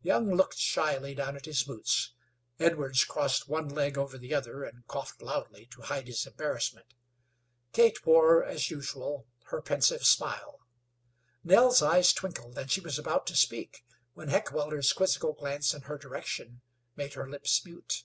Young looked shyly down at his boots; Edwards crossed one leg over the other, and coughed loudly to hide his embarrassment. Kate wore, as usual, her pensive smile; Nell's eyes twinkled, and she was about to speak, when Heckewelder's quizzical glance in her direction made her lips mute.